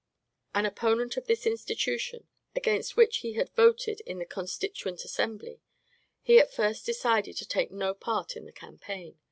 An opponent of this institution, against which he had voted in the Constituent Assembly, he at first decided to take no part in the campaign.